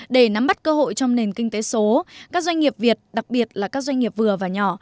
để nắm bắt cơ hội trong nền kinh tế số các doanh nghiệp việt đặc biệt là các doanh nghiệp vừa và nhỏ